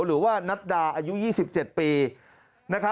หรือว่านัดดาอายุ๒๗ปี